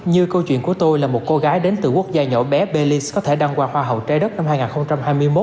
như câu chuyện của tôi là một cô gái đến từ quốc gia nhỏ bé bellis có thể đăng qua hoa hậu trái đất năm hai nghìn hai mươi một